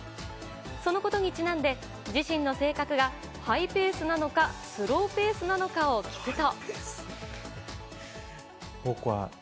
そのことにちなんで自身の性格がハイペースなのか、スローペースなのかを聞くと。